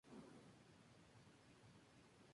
Existe un solo registro en el Territorio del Norte.